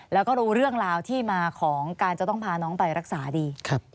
แล้วก็รู้เรื่องราวที่มาของการจะต้องพาน้องไปรักษาดี